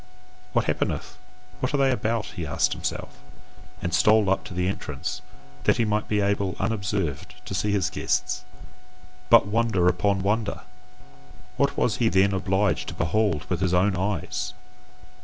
"What happeneth? What are they about?" he asked himself, and stole up to the entrance, that he might be able unobserved to see his guests. But wonder upon wonder! what was he then obliged to behold with his own eyes!